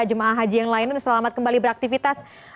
jemaah haji yang lainnya selamat kembali beraktivitas